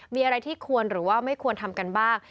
มีอะไรที่ควรหรือว่าไม่ควรทำกันบ้าง